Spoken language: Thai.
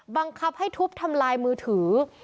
บังคับให้ทุบทำลายมือถือ